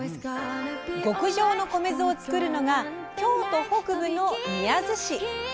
極上の米酢をつくるのが京都北部の宮津市。